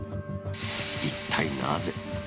一体なぜ？